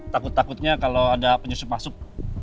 takut takutnya kalau ada penyusup masuk